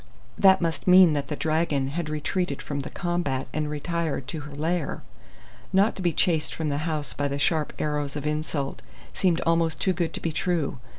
That must mean that the dragon had retreated from the combat and retired to her lair! Not to be chased from the house by the sharp arrows of insult seemed almost too good to be true.